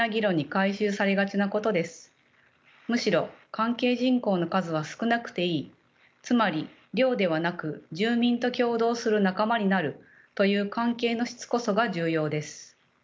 むしろ関係人口の数は少なくていいつまり量ではなく住民と協働する仲間になるという関係の質こそが重要です。